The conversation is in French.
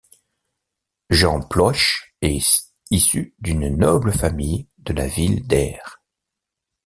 Jean Ploich est issu d'une noble famille de la ville d'Aire.